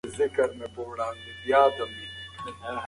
انساني کرامت مهم دی.